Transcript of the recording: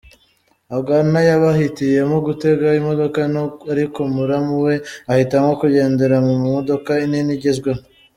Ogonna yabahitiyemo gutega imodoka nto ariko muramu we ahitamo kugendera mu modoka nini igezweho.